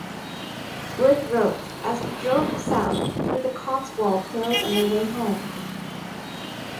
Blyth wrote: As we drove south through the Cotswold hills on our way home...